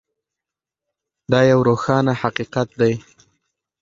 دا یو روښانه حقیقت دی.